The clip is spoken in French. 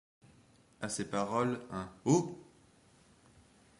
À ces paroles, un « oh!